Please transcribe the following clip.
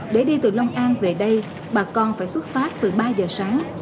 để đi từ long an về đây bà con phải xuất phát từ ba giờ sáng